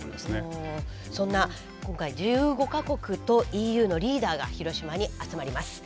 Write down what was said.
そんな今回１５か国とＥＵのリーダーが広島に集まります。